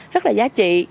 rất là giá trị